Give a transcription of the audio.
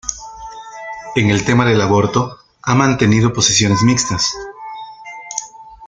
En el tema del aborto ha mantenido posiciones mixtas.